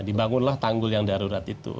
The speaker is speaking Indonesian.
dibangunlah tanggul yang darurat itu